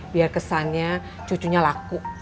biar kesannya cucunya laku